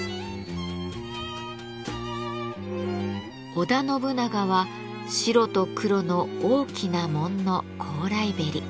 織田信長は白と黒の大きな紋の高麗縁。